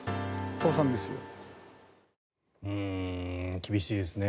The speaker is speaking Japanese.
厳しいですね。